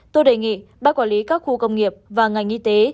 tôi đề nghị bác quản lý các khu công nghiệp và ngành y tế